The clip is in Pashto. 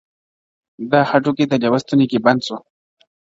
دا هډوکی د لېوه ستوني کي بند سو!.